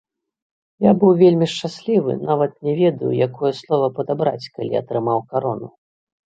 Я быў вельмі шчаслівы, нават не ведаю, якое слова падабраць, калі атрымаў карону.